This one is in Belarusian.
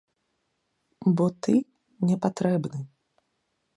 Бо ты не патрэбны.